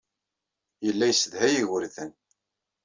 Yella yessedhay igerdan.